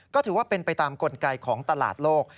ก็ถือว่าเป็นไปตามกลไกของตลาดโลก